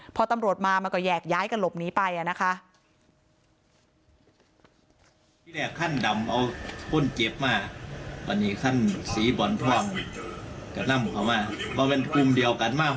พอตำรวจมามันก็แยกย้ายกันหลบหนีไปนะคะ